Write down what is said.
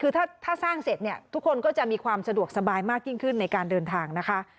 คือถ้าสร้างเสร็จเนี่ยทุกคนก็จะมีความสะดวกสบายมากยิ่งขึ้นในการเดินทางนะคะ